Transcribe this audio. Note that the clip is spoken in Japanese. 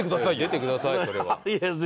出てくださいそれは。